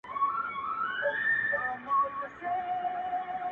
زما هدیرې ته به پېغور راځي.!